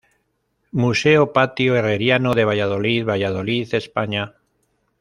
Museo Patio Herreriano de Valladolid, Valladolid, España.